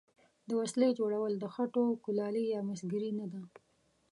د وسلې جوړول د خټو کولالي یا مسګري نه ده.